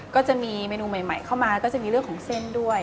ก็จะมีเมนูใหม่เข้ามาก็จะมีเรื่องของเส้นด้วย